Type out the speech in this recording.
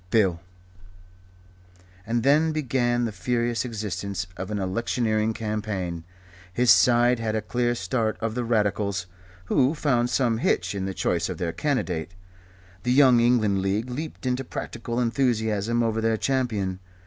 Bill." And then began the furious existence of an electioneering campaign. His side had a clear start of the Radicals, who found some hitch in the choice of their candidate. The Young England League leaped into practical enthusiasm over their champion.